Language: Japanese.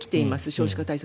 少子化対策。